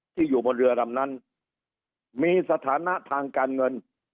อยู่บนเรือลำนั้นมีสถานะทางการเงิน